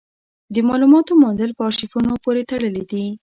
د مالوماتو موندل په ارشیفونو پورې تړلي وو.